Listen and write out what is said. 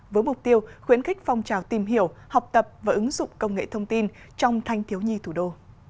với mục tiêu khuyến khích phong trào tìm hiểu học tập và ứng dụng công nghệ thông tin trong thanh thiếu nhi thủ đô